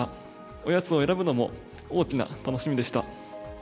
おやつを選ぶのも大きな楽しみでした。